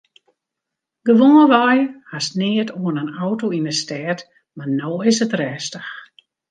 Gewoanwei hast neat oan in auto yn 'e stêd mar no is it rêstich.